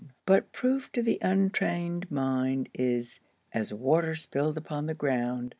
But proof to the untrained mind is "as water spilled upon the ground."